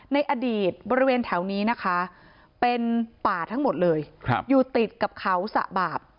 ในอดีตบริเวณแถวนี้นะคะเป็นป่าทั้งหมดเลยอยู่ติดกับเขาสะบาป